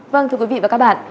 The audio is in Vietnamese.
vâng thưa quý vị và các bạn